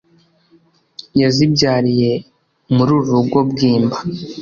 yazibyariye muri uru rugo bwimba